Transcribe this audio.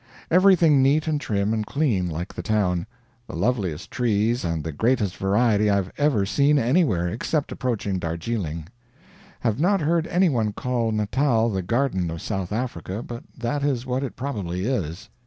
Everything neat and trim and clean like the town. The loveliest trees and the greatest variety I have ever seen anywhere, except approaching Darjeeling. Have not heard anyone call Natal the garden of South Africa, but that is what it probably is.